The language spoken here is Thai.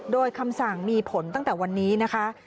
โดยคำสั่งมีผลตั้งแต่วันนี้นะคะ